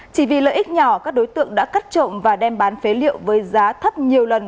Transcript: chỉ vì lợi ích nhỏ các đối tượng đã cắt trộm và đem bán phế liệu với giá thấp nhiều lần